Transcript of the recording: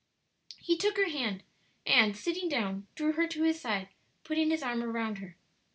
He took her hand and, sitting down, drew her to his side, putting his arm around her.